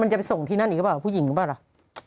จะไปส่งที่นั่นอีกหรือเปล่าผู้หญิงหรือเปล่าล่ะ